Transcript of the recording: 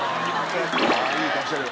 いい顔してる。